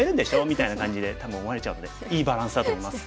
みたいな感じで多分思われちゃうのでいいバランスだと思います。